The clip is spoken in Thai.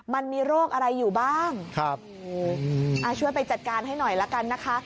มันมีโรคอะไรอยู่บ้างครับช่วยไปจัดการให้หน่อยละกันนะคะ